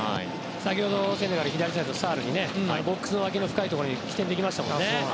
先ほどセネガル左サイドのサールにボックスの脇の深いところで起点ができましたからね。